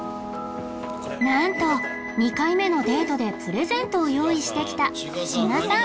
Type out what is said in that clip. なんと２回目のデートでプレゼントを用意してきた千賀さん